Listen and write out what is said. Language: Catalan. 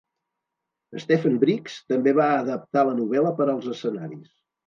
Stephen Briggs també va adaptar la novel·la per als escenaris.